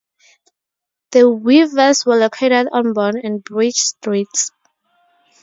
The weavers were located on Bond and Bridge Streets.